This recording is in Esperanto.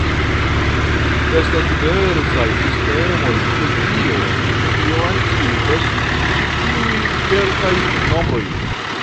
Estas diversaj sistemoj de tio, kion signifas ĉi tiuj kelkaj nombroj.